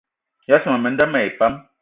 Yas ma menda mayi pam